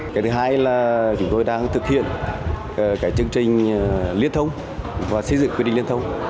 cái thứ hai là chúng tôi đang thực hiện cái chương trình liên thông và xây dựng quy định liên thông